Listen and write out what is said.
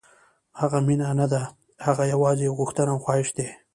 هغه مینه نه ده، هغه یوازې یو غوښتنه او خواهش دی.